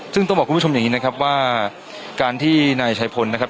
ซึ่งต้องบอกคุณผู้ชมอย่างนี้นะครับว่าการที่นายชายพลนะครับ